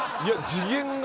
次元が。